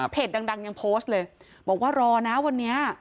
ดังยังโพสต์เลยบอกว่ารอนะวันนี้